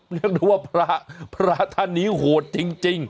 เรียกได้ว่าพระพระท่านนี้โหดจริง